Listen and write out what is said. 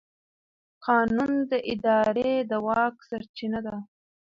قانون د ادارې د واک سرچینه ده.